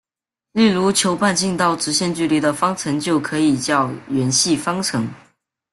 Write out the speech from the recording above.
例如求半径到直线距离的方程就可以叫圆系方程。